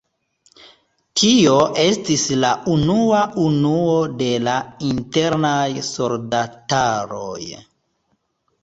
Tio estis la unua unuo de la Internaj Soldataroj.